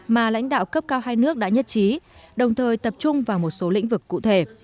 mà lãnh đạo cấp cao hai nước đã nhất trí đồng thời tập trung vào một số lĩnh vực cụ thể